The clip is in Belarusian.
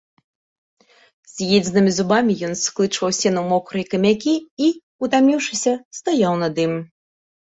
З'едзенымі зубамі ён склычваў сена ў мокрыя камякі і, утаміўшыся, стаяў над ім.